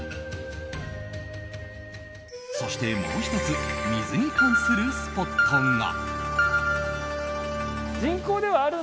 そして、もう１つ水に関するスポットが。